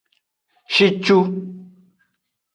Shicu.